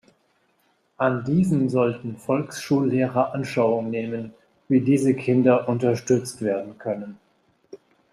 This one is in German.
An diesen sollten Volksschullehrer Anschauung nehmen, wie diese Kinder unterstützt werden können.